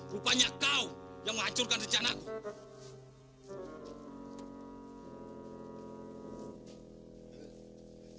rupanya kau yang menghancurkan rencana aku